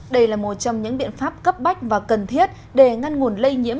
đây là một trong những biện pháp cấp bách và cần thiết để ngăn nguồn lây nhiễm